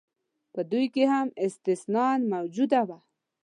په دوی کې هم استثنا موجوده وه.